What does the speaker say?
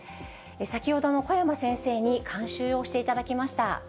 先ほどの小山先生に監修をしていただきました。